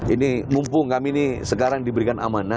ini mumpung kami ini sekarang diberikan amanah